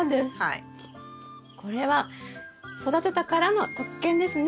これは育てたからの特権ですね。